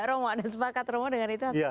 romo dan sepakat romo dengan itu